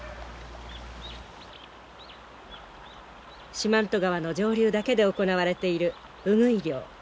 四万十川の上流だけで行われているウグイ漁。